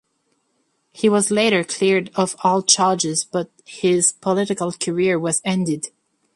He was later cleared of all charges, but his political career was ended.